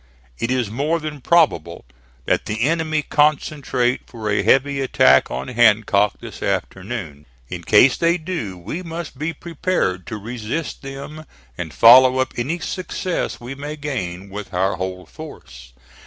It is more than probable that the enemy concentrate for a heavy attack on Hancock this afternoon. In case they do we must be prepared to resist them, and follow up any success we may gain, with our whole force.